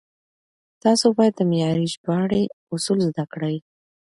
تاسو بايد د معياري ژباړې اصول زده کړئ.